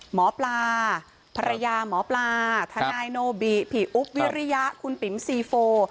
หมอปลาภรรยาหมอปลาทนายโนบิผีอุ๊บวิริยะคุณปิ๋มซีโฟ